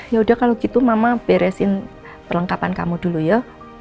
ya udah kalau gitu mama beresin perlengkapan kamu dulu ya